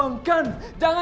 jangan ada yang mencintaianya